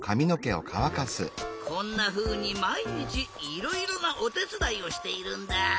こんなふうにまいにちいろいろなおてつだいをしているんだ。